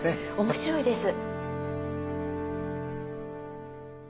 面白いです。